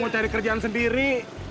mau cari kerjaan sendiri